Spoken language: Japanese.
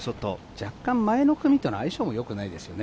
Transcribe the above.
若干、前の組との相性も良くないですよね。